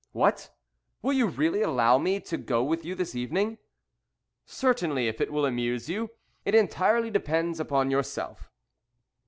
"What! will you really allow me to go with you this evening?" "Certainly, if it will amuse you. It entirely depends upon yourself."